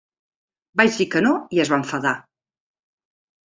Vaig dir que no i es va enfadar.